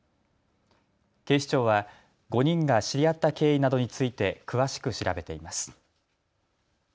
警視庁は５人が知り合った経緯などについて詳しく調べています。